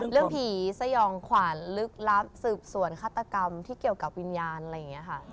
เรื่องผีสยองขวานลึกลับสืบสวนฆาตกรรมที่เกี่ยวกับวิญญาณอะไรอย่างนี้ค่ะ